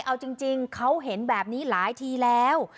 เอาจริงเขาเห็นแบบนี้หลายทีแล้ว